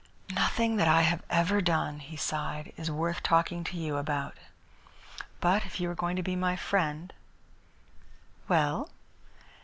"Nothing that I have ever done," he sighed, "is worth talking to you about. But if you are going to be my friend " "Well?"